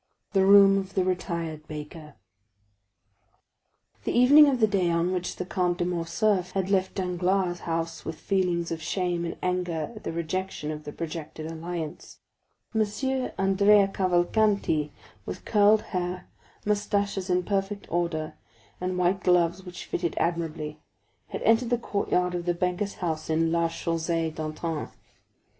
The Room of the Retired Baker The evening of the day on which the Count of Morcerf had left Danglars' house with feelings of shame and anger at the rejection of the projected alliance, M. Andrea Cavalcanti, with curled hair, moustaches in perfect order, and white gloves which fitted admirably, had entered the courtyard of the banker's house in Rue de la Chaussée d'Antin.